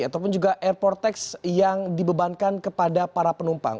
ataupun juga airport tax yang dibebankan kepada para penumpang